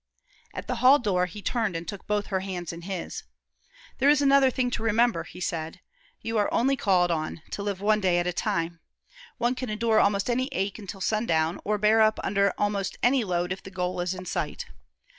At the hall door he turned and took both her hands in his: "There is another thing to remember," he said. "You are only called on to live one day at a time. One can endure almost any ache until sundown, or bear up under almost any load if the goal is in sight.